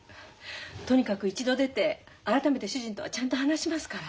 とにかく一度出て改めて主人とはちゃんと話しますから。